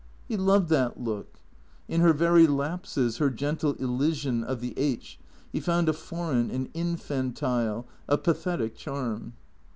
He loved that look. In her very lapses, her gentle elision of the aitch, he found a foreign, an infantile, a pathetic charm.